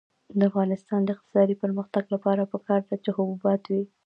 د افغانستان د اقتصادي پرمختګ لپاره پکار ده چې حبوبات وي.